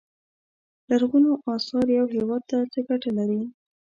لرغونو اثار یو هیواد ته څه ګټه لري.